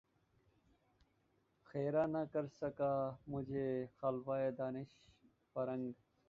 خیرہ نہ کر سکا مجھے جلوۂ دانش فرنگ